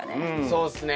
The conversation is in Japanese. そうっすね。